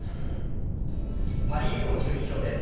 パ・リーグの順位表です。